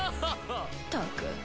ったく。